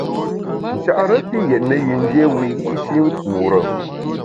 Nchare pi yètne yin dié wiyi’shi nkure.